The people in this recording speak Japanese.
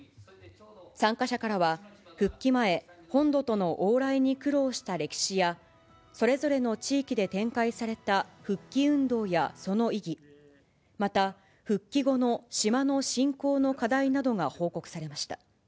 参加者からは、復帰前、本土との往来に苦労した歴史や、それぞれの地域で展開された復帰運動やその意義、また復帰後の島の振興の課題などが報告されました。